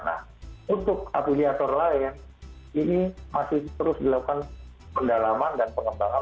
nah untuk afiliator lain ini masih terus dilakukan pendalaman dan pengembangan